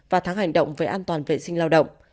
và tháng hành động về an toàn vệ sinh lao động